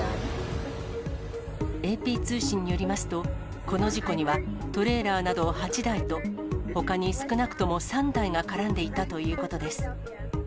ＡＰ通信によりますと、この事故にはトレーラーなど８台と、ほかに少なくとも３台が絡んでいたということです。